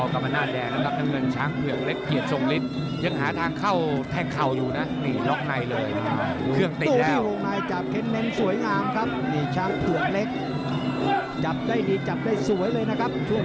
ใครเจอจุ๊บเท่านั้นแหละครับคุณผู้ชม